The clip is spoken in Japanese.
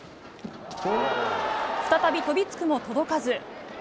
再び飛びつくも届かず。